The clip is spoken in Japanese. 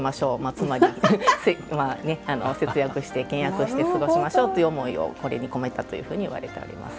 つまり、節約して倹約して過ごしましょうという思いをこれに込めたというふうに言われております。